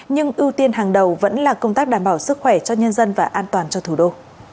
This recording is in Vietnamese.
nhưng ưu tiên hàng đầu vẫn là công tác đảm bảo sức khỏe cho nhân dân và an toàn cho thủ đô